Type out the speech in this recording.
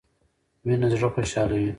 مينه زړه خوشحالوي